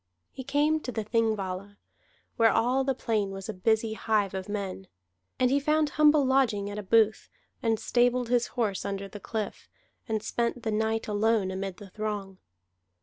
He came to the Thingvalla, where all the plain was a busy hive of men. And he found humble lodging at a booth, and stabled his horse under the cliff, and spent the night alone amid the throng.